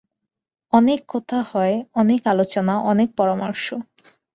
অনেক কথা হয়, অনেক আলোচনা, অনেক পরামর্শ।